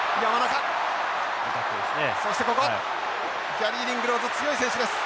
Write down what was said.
ギャリーリングローズ強い選手です。